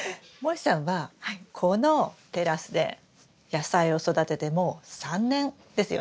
もえさんはこのテラスで野菜を育ててもう３年ですよね？